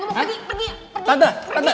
lu mau pergi pergi pergi